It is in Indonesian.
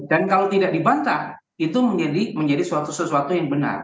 dan kalau tidak dibantah itu menjadi suatu suatu yang benar